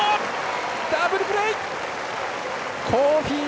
ダブルプレー！